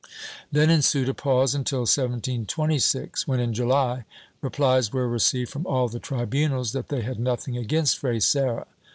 Then ensued a pause until 1726, when in July replies were received from all the tribunals that they had nothing against Fray Serra.